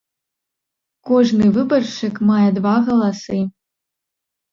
Кожны выбаршчык мае два галасы.